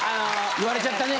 言われちゃったね。